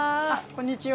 こんにちは。